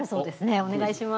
お願いします。